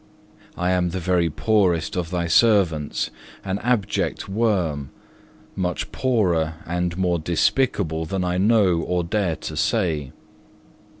I am the very poorest of Thy servants, an abject worm, much poorer and more despicable than I know or dare to say.